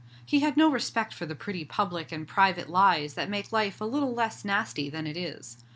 He had no respect for the pretty public and private lies that make life a little less nasty than it is.